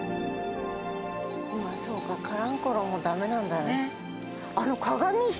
そうかカランコロンもダメなんだね。